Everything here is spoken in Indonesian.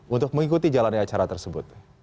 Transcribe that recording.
untuk mengikuti jalannya acara tersebut